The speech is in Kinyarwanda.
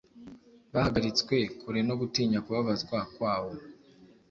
bahagaritswe kure no gutinya kubabazwa kwawo